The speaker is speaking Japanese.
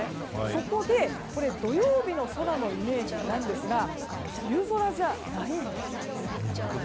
そこで、これ土曜日の空のイメージですが梅雨空じゃないんですよね。